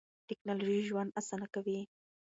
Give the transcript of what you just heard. ټکنالوژي ژوند اسانه کوي.